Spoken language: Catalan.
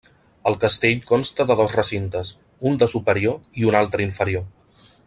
El castell consta de dos recintes, un de superior i un altre inferior.